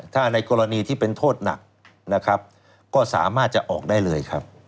ถ้าในกรณีที่เป็นโทษหนักนะครับก็สามารถจะออกได้เลยครับ